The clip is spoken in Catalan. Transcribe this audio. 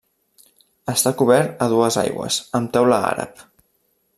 Està cobert a dues aigües amb teula àrab.